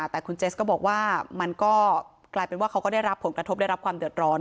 แต่คุณเจสก็บอกว่ามันก็กลายเป็นว่าเขาก็ได้รับผลกระทบได้รับความเดือดร้อน